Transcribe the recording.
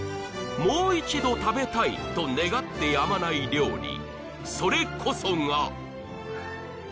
もう一度食べたいと願ってやまない料理